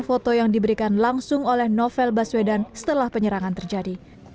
foto yang diberikan langsung oleh novel baswedan setelah penyerangan terjadi